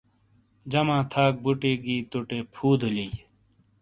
جمع تھاک بُوتی گی تُو ٹے فُو دُلئیی۔